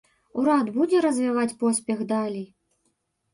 Урад будзе развіваць поспех далей?